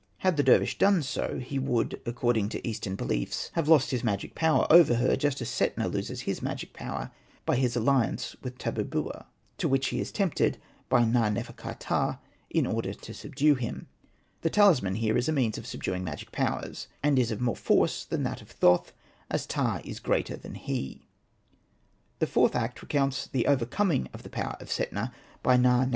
Had Hosted by Google 138 SETNA AND THE MAGIC BOOK the dervish done so he would — according to Eastern beHefs— have lost his magic power over her, just as Setna loses his magic power by his alliance with Tabubua, to which he is tempted by Na.nefer.ka.ptah, in order to subdue him. The talisman here is a means of subduing magic powers, and is of more force than that of Thoth, as Ptah is greater than he. The fourth act recounts the overcoming of the power of Setna by Na.